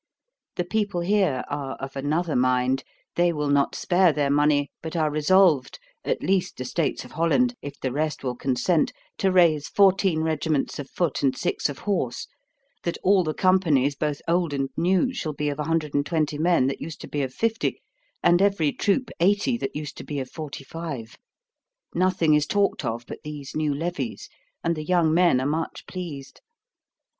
The people here are of another mind; they will not spare their money, but are resolved at least the States of Holland if the rest will consent, to raise fourteen regiments of foot and six of horse; that all the companies, both old and new, shall be of 120 men that used to be of 50, and every troop 80 that used to be of 45. Nothing is talked of but these new levies, and the young men are much pleased.